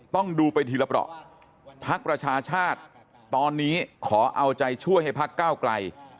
ต้องดูไปทีละเปราะพักประชาชาติตอนนี้ขอเอาใจช่วยให้พักก้าวไกล